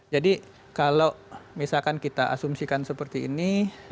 jadi kalau misalkan kita asumsikan seperti ini